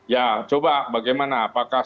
ya coba bagaimana apakah